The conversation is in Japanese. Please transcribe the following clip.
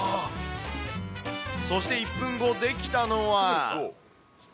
そして、１分後、出来たのは。